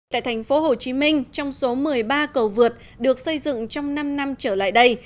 tại thành phố hồ chí minh trong số một mươi ba cầu vượt được xây dựng trong năm năm trở lại đây